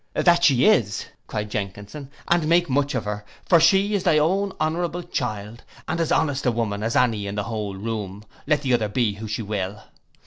'—'That she is,' cried Jenkinson, 'and make much of her, for she is your own honourable child, and as honest a woman as any in the whole room, let the other be who she will.